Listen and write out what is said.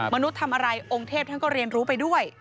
มนุษย์ทำอะไรองค์เทพท่านก็เรียนรู้ไปด้วย